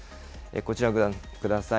こちらをご覧ください。